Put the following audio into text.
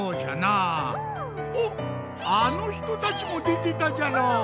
おっあのひとたちもでてたじゃろう。